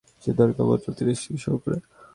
যে দরকারে ভদ্রলোক তার স্ত্রীকে সহ্য করে।